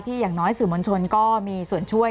ที่อย่างน้อยเสริมวันชนก็มีส่วนช่วย